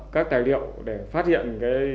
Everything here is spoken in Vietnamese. các tài liệu để phát hiện